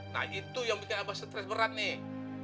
nah itu yang bikin abah stres berat nih